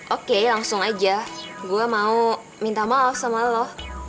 oke langsung aja gue mau minta maaf sama lo